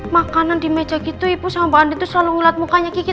makanan di meja gitu ibu sama mbak andi itu selalu ngeliat mukanya kiki